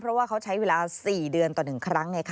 เพราะว่าเขาใช้เวลา๔เดือนต่อ๑ครั้ง